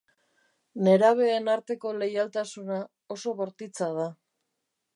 Nerabeen arteko leialtasuna oso bortitza da.